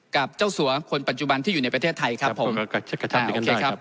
กับเจ้าสัวคนปัจจุบันที่อยู่ในประเทศไทยครับผมโอเคครับ